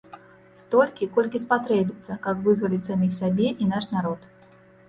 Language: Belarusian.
Столькі, колькі спатрэбіцца, каб вызваліць саміх сябе і наш народ.